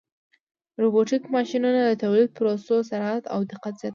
روبوټیک ماشینونه د تولیدي پروسو سرعت او دقت زیاتوي.